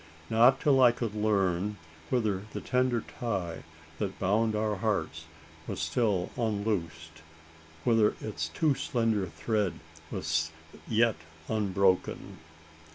Not till I could learn, whether the tender tie that bound our hearts was still unloosed whether its too slender thread was yet unbroken!"